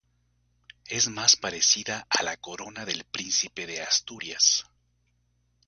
Es más parecida a la corona del príncipe de Asturias.